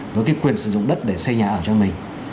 với cái quyền sử dụng đất để xây nhà ở cho mình